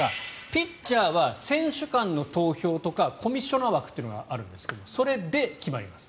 ピッチャーは選手間の投票とかコミッショナー枠というのがあるんですがそれで決まります。